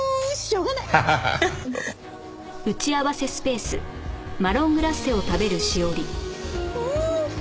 うん！